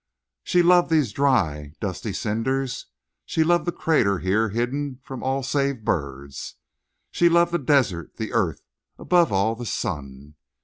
She loved these dry, dusty cinders; she loved the crater here hidden from all save birds; she loved the desert, the earth—above all, the sun.